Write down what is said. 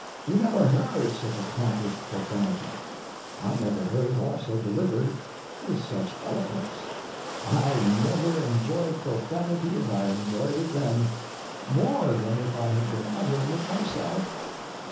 You never heard such accomplished profanity. I never heard it also delivered with such eloquence. I never enjoyed profanity as I enjoyed it then—more than if I had been uttering it myself.